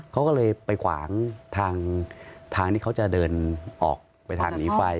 เขาก็เลยไปขวางทางที่เขาจะเดินออกไปทางหนีไฟ